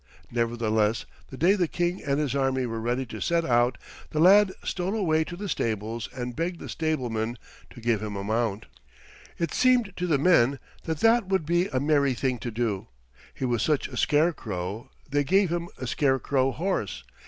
Nevertheless the day the King and his army were ready to set out the lad stole away to the stables and begged the stablemen to give him a mount. It seemed to the men that that would be a merry thing to do. He was such a scarecrow they gave him a scarecrow horse.